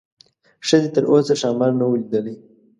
ښځې تر اوسه ښامار نه و لیدلی.